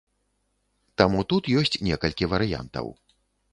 Таму тут ёсць некалькі варыянтаў.